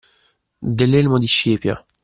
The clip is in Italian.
Dell’elmo di Scipio.